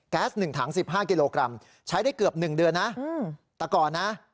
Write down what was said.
ส๑ถัง๑๕กิโลกรัมใช้ได้เกือบ๑เดือนนะแต่ก่อนนะ